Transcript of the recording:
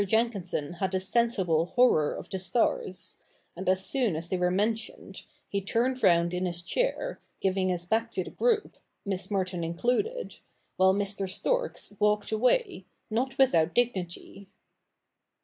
Jenkinscn had a sensible horr'^^ ^J^ the stars : and as soon as they^vere mentioned, h^ t^rtfeid round in his chair, giving his back to the g^'odJBr^tS Miss Merton included ; whilst Mr. Storks walkec^i tiij|«^, not without dignity.